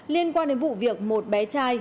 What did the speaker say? liên quan đến vụ việc một bé trai